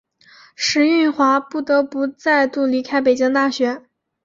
石蕴华不得不再度离开北京大学。